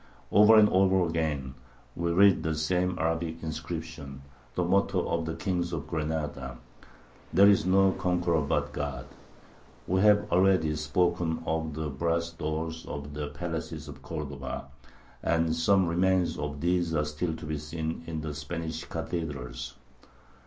Over and over again we read the same Arabic inscription, the motto of the kings of Granada, "There is no conqueror but God." We have already spoken of the brass doors of the palaces of Cordova; and some remains of these are still to be seen in the Spanish cathedrals.